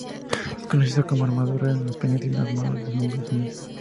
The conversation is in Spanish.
Es conocida como "Armadura" en español, siendo "Armor" su nombre original.